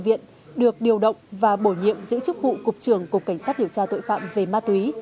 viện được điều động và bổ nhiệm giữ chức vụ cục trưởng cục cảnh sát điều tra tội phạm về ma túy